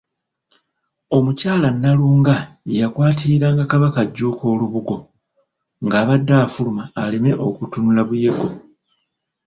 Omukyala Nnalunga ye yakwatiriranga Kabaka Jjuuko olubugo ng'abadde afuluma aleme kutunula Buyego.